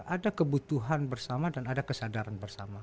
ada kebutuhan bersama dan ada kesadaran bersama